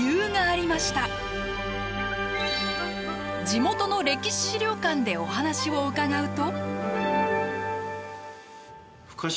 地元の歴史資料館でお話を伺うと。